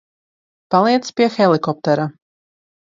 Paliec pie helikoptera.